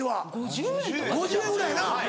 ５０円ぐらいやな。